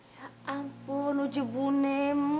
ya ampun ujibunemu